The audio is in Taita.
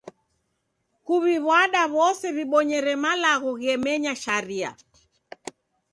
Kuw'iw'ada w'ose w'ibonyere malagho ghemenya sharia.